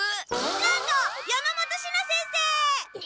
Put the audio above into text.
なんと山本シナ先生！